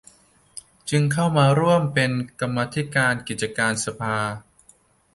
จึงเข้ามาร่วมเป็นกรรมาธิการกิจการสภา